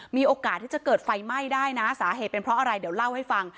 มีโอกาสที่จะเกิดไฟไหม้ได้นะสาเหตุเป็นเพราะอะไรเดี๋ยวเล่าให้ฟัง